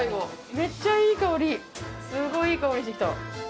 めっちゃいい香りすごいいい香りして来た。